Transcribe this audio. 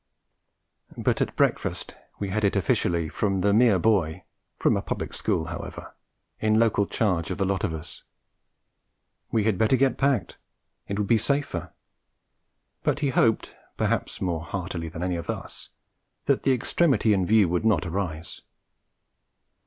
But at breakfast we had it officially from the mere boy (from a Public School, however) in local charge of the lot of us. We had better get packed; it would be safer; but he hoped, perhaps more heartily than any of us, that the extremity in view would not arise.